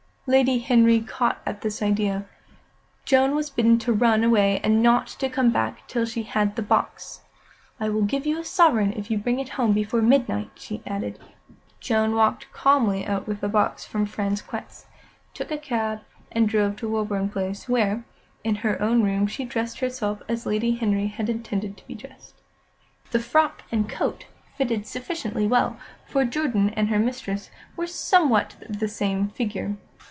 Lady Henry caught at this idea. Joan was bidden to run away and not to come back till she had the box. "I will give you a sovereign if you bring it home before midnight," she added. Joan walked calmly out with the box from Frasquet's, took a cab, and drove to Woburn Place, where, in her own room, she dressed herself as Lady Henry had intended to be dressed. The frock and coat fitted sufficiently well, for Jordan and her mistress were somewhat of the same figure.